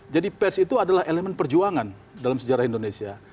jadi pers itu adalah elemen perjuangan dalam sejarah indonesia